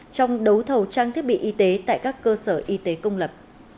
trong đấu thầu trang thiết bị y tế tại các cơ sở y tế công lập